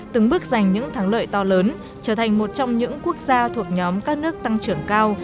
từng bước giành những thắng lợi to lớn trở thành một trong những quốc gia thuộc nhóm các nước tăng trưởng cao